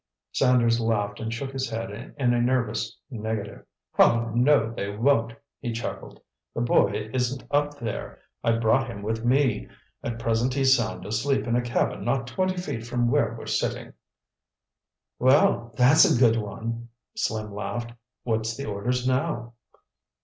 Sanders laughed and shook his head in a nervous negative. "Oh, no, they won't," he chuckled. "The boy isn't up there. I brought him with me. At present he's sound asleep in a cabin not twenty feet from where we're sitting!" "Well, that's a good one!" Slim laughed. "What's the orders now?"